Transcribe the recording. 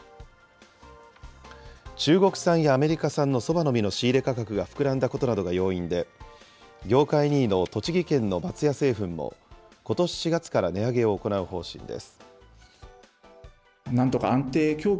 中国産やアメリカ産のそばの実の仕入れ価格が膨らんだことなどが要因で、業界２位の栃木県の松屋製粉も、ことし４月から値上げを行う方針です。